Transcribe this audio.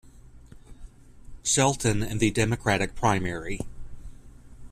Shelton in the Democratic primary.